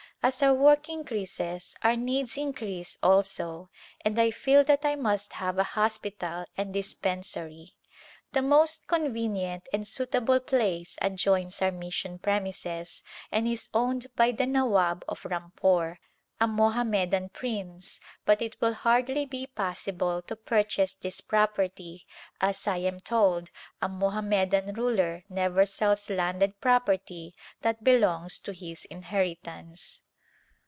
As our work increases our needs increase also, and I feel that I must have a hospital and dispensary. The most convenient and suitable place adjoins our mis sion premises and is owned by the Nawab of Ram pore, a Mohammedan prince, but it will hardly be possible to purchase this property as, I am told, a Mohammedan ruler never sells landed property that belongs to his inheritance.